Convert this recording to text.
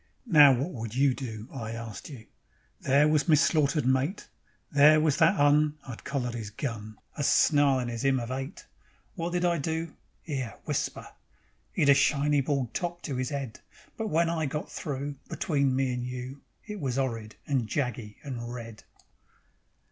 Now what would you do? I arst you. There was me slaughtered mate. There was that 'Un (I'd collered 'is gun), A snarlin' 'is 'ymn of 'ate. Wot did I do? 'Ere, whisper ... 'E'd a shiny bald top to 'is 'ead, But when I got through, Between me and you, It was 'orrid and jaggy and red.